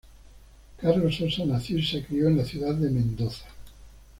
Carlos Sosa, nació y se crio en la Ciudad de Mendoza.